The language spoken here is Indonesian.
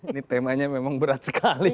ini temanya memang berat sekali